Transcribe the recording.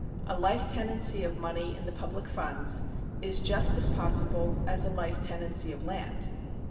A life tenancy of money in the public funds is just as possible as a life tenancy of land.